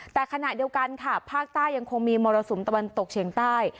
แต่ขณะเดียวกันค่ะภาคใต้ยังคงมีมรสุมตะวันตกเฉียงใต้